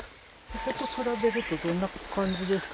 そこと比べるとどんな感じですか？